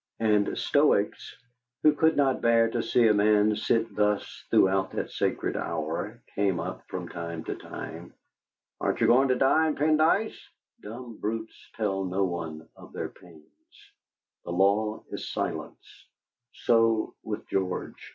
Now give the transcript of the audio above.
And Stoics, who could not bear to see a man sit thus throughout that sacred hour, came up from time to time. "Aren't you going to dine, Pendyce?" Dumb brutes tell no one of their pains; the law is silence. So with George.